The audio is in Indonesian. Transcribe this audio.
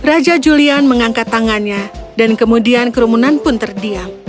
raja julian mengangkat tangannya dan kemudian kerumunan pun terdiam